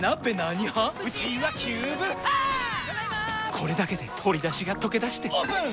これだけで鶏だしがとけだしてオープン！